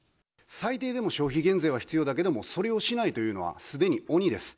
最低でも消費減税は必要だけれども、それをしないというのはすでに鬼です。